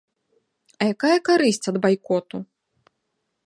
А якая карысць ад байкоту?